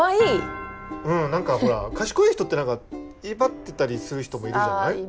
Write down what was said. うん何かほら賢い人って威張ってたりする人もいるじゃない。